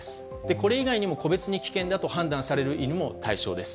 これ以外にも個別に危険だと判断される犬も対象です。